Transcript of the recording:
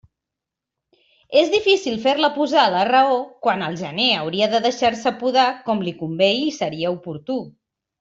És difícil fer-la posar a la raó quan al gener hauria de deixar-se podar com li convé i seria oportú.